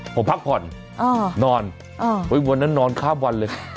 ผมพักผ่อนนอนวันนั้นนอนข้ามวันเลย